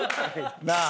なあ？